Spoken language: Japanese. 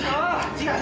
違う。